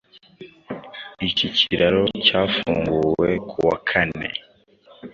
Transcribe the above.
Iki kiraro cyafunguwe ku wa Kan